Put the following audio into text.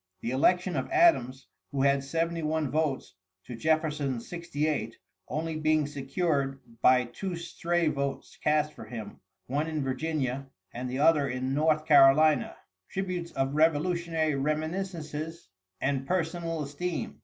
The election of Adams, who had 71 votes to Jefferson's 68, only being secured by two stray votes cast for him, one in Virginia, and the other in North Carolina, tributes of revolutionary reminiscences and personal esteem.